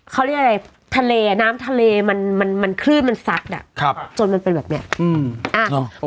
เขาเรียกอะไรทะเลน้ำทะเลมันมันคลื่นมันซัดอ่ะครับจนมันเป็นแบบเนี้ยอืมอ่า